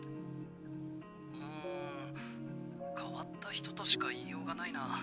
「うん変わった人としか言いようがないな」